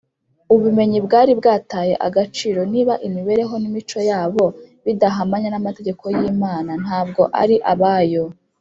. Ubumenyi bwari bwataye agaciro. Niba imibereho n’imico yabo bidahamanya n’amategeko y’Imana, ntabwo ari abayo